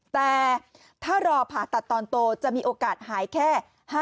แต่ถ้ารอผ่าตัดตอนโตจะมีโอกาสหายแค่